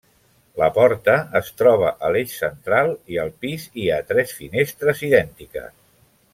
La porta es troba a l'eix central i al pis hi ha tres finestres idèntiques.